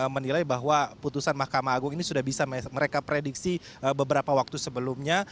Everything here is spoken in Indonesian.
menilai bahwa putusan mahkamah agung ini sudah bisa mereka prediksi beberapa waktu sebelumnya